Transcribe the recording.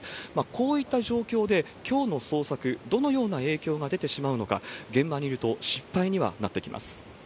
こういった状況で、きょうの捜索、どのような影響が出てしまうのか、現場にいると心配にはなってきます。